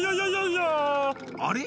あれ？